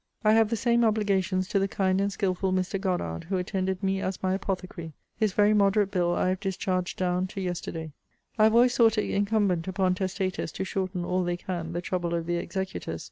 I have the same obligations to the kind and skilful Mr. Goddard, who attended me as my apothecary. His very moderate bill I have discharged down to yesterday. I have always thought it incumbent upon testators to shorten all they can the trouble of their executors.